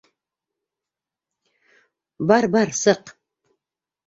Бар-бар, сыҡ.